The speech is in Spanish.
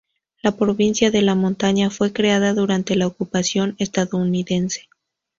La provincia de La Montaña fue creada durante la ocupación estadounidense.